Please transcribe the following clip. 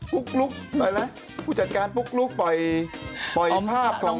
พูดจัดการปุ๊บลุ้มปล่อยภาพของ